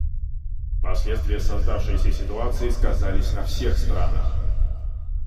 Последствия создавшейся ситуации сказались на всех странах.